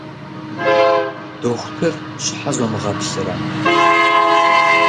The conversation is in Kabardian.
Дохутыр щхьэ зомыгъэплърэ?